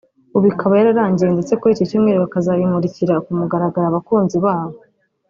ubu ikaba yararangiye ndetse kuri iki cyumweru bakazayimurikira kumugaragaro abakunzi babo